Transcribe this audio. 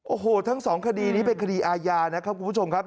โอ้โหทั้งสองคดีนี้เป็นคดีอาญานะครับคุณผู้ชมครับ